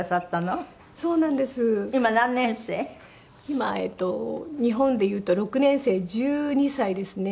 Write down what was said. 今日本でいうと６年生１２歳ですね。